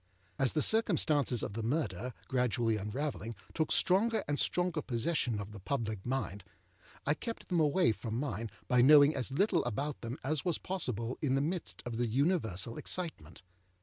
As the circumstances of the murder, gradually unravelling, took stronger and stronger possession of the public mind, I kept them away from mine by knowing as little about them as was possible in the midst of the universal excitement.